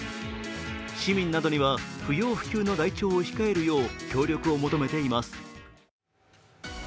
市民などには不要不急の来庁を控えるよう協力を求めています。